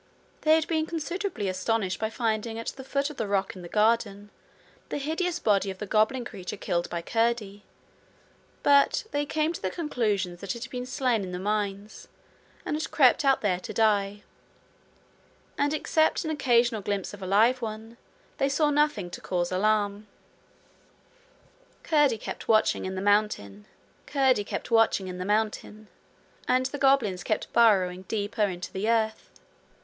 They had been considerably astonished by finding at the foot of the rock in the garden the hideous body of the goblin creature killed by Curdie; but they came to the conclusion that it had been slain in the mines, and had crept out there to die; and except an occasional glimpse of a live one they saw nothing to cause alarm. Curdie kept watching in the mountain, and the goblins kept burrowing deeper into the earth.